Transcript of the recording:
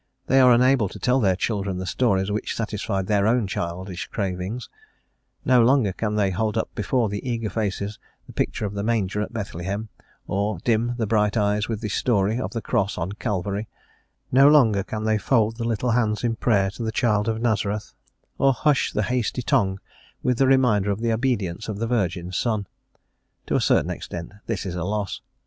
They are unable to tell their children the stories which satisfied their own childish cravings: no longer can they hold up before the eager faces the picture of the manger at Bethlehem, or dim the bright eyes with the story of the cross on Calvary; no longer can they fold the little hands in prayer to the child of Nazareth, or hush the hasty tongue with the reminder of the obedience of the Virgin's son. To a certain extent this is a loss.